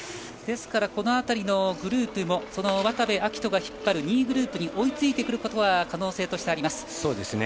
ですから、この辺りのグループもその渡部暁斗が引っ張る２位グループに追いついてくることは可能性としてはあります。